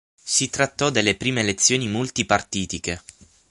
Si trattò delle prime elezioni multipartitiche.